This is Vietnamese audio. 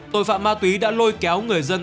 tội phạm ma túy đã lôi kéo người dân